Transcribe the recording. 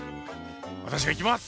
私が行きます。